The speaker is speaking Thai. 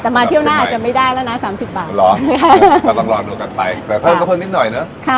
แต่มาเที่ยวหน้าจะไม่ได้แล้วนะ๓๐บาทร้อนก็ต้องรอดูกันไปแต่เพิ่มก็เพิ่มนิดหน่อยเนอะ